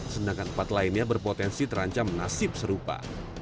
sedangkan empat lainnya berpotensi terancam nasib serupa